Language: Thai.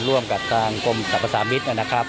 ร่วมกับทางกรมสรรพสามิตรนะครับ